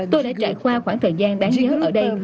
tôi đã trải qua khoảng thời gian đáng sống ở đây